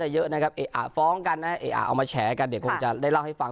เยอะนะครับฟ้องกันนะเอามาแฉกันเดี๋ยวคงจะได้เล่าให้ฟัง